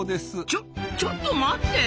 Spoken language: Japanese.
ちょちょっと待って！